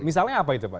misalnya apa itu pak